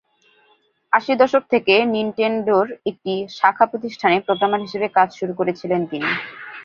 আশির দশক থেকে নিনটেনডোর একটি শাখা প্রতিষ্ঠানে প্রোগ্রামার হিসেবে কাজ শুরু করেছিলেন তিনি।